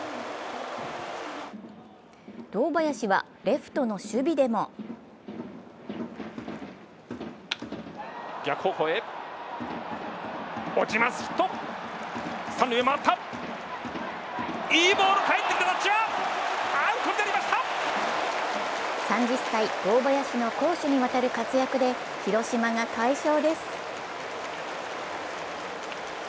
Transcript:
堂林はレフトの守備でも３０歳、堂林の攻守にわたる活躍で広島が快勝です。